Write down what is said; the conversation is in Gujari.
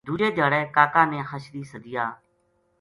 دُوجے دھیاڑے کا کا نے حشری سدیا